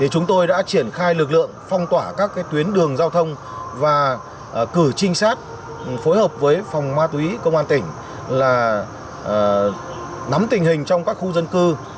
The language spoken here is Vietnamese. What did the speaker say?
chúng tôi đã triển khai lực lượng phong tỏa các tuyến đường giao thông và cử trinh sát phối hợp với phòng ma túy công an tỉnh nắm tình hình trong các khu dân cư